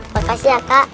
makasih ya kak